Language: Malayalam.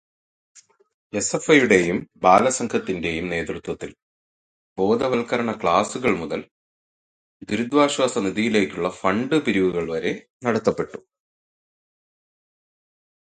എസ്.എഫ്.ഐയുടെയും ബാലസംഘത്തിന്റെയും നേതൃത്വത്തിൽ ബോധവത്കരണ ക്ലാസ്സുകൾ മുതൽ ദുരിതാശ്വാസനിധിയിലേക്കുള്ള ഫണ്ടു പിരിവുകൾ വരെ നടത്തപ്പെട്ടു.